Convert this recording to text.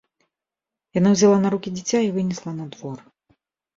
Яна ўзяла на рукі дзіця і вынесла на двор.